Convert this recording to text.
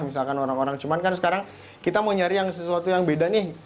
misalkan orang orang cuman kan sekarang kita mau nyari yang sesuatu yang beda nih